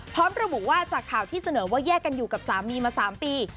พร้อมระบุว่าจากข่าวที่เสนอว่าแยกกันอยู่กับสามีมา๓ปี